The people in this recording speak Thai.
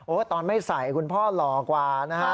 ตอนไม่ใส่คุณพ่อหล่อกว่านะฮะ